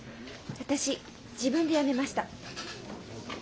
私自分で辞めました。